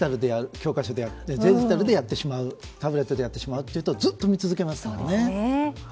全部、デジタルでやってしまうタブレットでやってしまうとずっと見続けますから。